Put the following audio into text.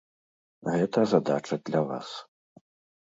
Гэта задача для вас.